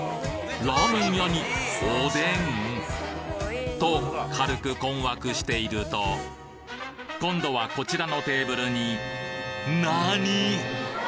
ラーメン屋におでん？と軽く困惑していると今度はこちらのテーブルに何！？